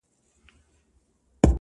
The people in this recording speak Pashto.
نور به نو څه وکړي مرگی تاته رسوا به سم _